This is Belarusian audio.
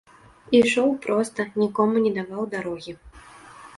Ішоў проста, нікому не даваў дарогі.